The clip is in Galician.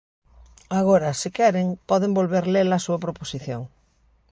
Agora, se queren, poden volver ler a súa proposición.